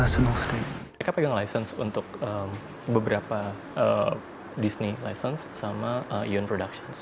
saya pegang lisensi untuk beberapa disney lisensi sama eon productions